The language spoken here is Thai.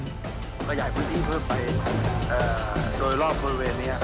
ขยายพื้นที่เพิ่มไปโดยรอบบริเวณนี้